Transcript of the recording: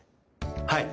はい。